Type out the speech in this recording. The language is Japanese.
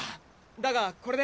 だがこれで。